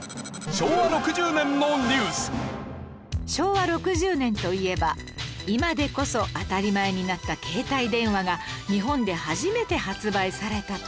昭和６０年といえば今でこそ当たり前になった携帯電話が日本で初めて発売された年